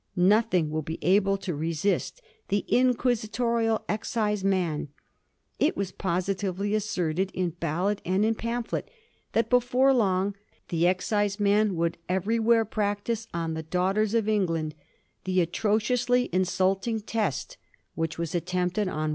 Nothing will be able to resist the inquisitorial excise man. It was positively asserted in ballad and in pamphlet that before long the exciseman would everywhere practise on the daughters of England the atrociously insulting test which was attempted on VOL.